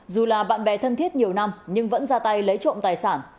dù là bạn bè thân thiết nhiều năm nhưng vẫn ra tay lấy trộm tài sản